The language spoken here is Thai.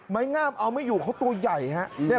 งามเอาไม่อยู่เขาตัวใหญ่ครับ